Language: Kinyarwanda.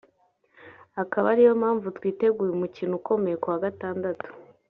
akaba ari yo mpamvu twiteguye umukino ukomeye ku wa gatandatu